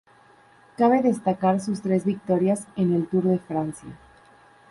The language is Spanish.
Cabe destacar sus tres victorias en el Tour de Francia.